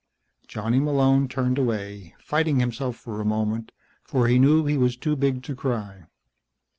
Johnny Malone turned away, fighting himself for a moment, for he knew he was too big to cry.